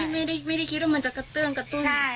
ไม่ได้คิดว่ามันจะกระเตื้องกระตุ้น